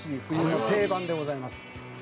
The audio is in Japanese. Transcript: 冬の定番でございます」